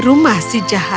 sudah pipes yang bye